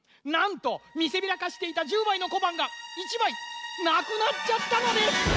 なんとみせびらかしていた１０まいのこばんが１まいなくなっちゃったのです。